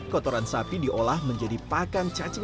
kotoran sapi diolah menjadi pakan cacing